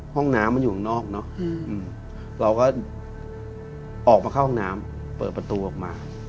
ห้องน้ำมันอยู่ข้างนอกเนาะ